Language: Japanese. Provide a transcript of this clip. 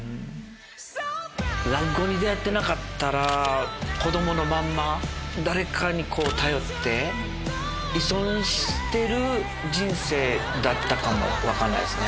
落語に出会ってなかったら子どものまんま誰かに頼って依存してる人生だったかも分かんないですね。